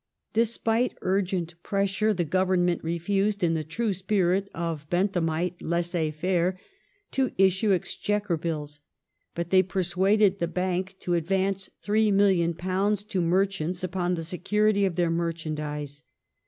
Despite urgent pressure the Government refused, in the true spirit of Benthamite laisser faire, to issue Exchequer Bills, but they persuaded the Bank to advance £3,000,000 to merchants upon the security of their merchandise.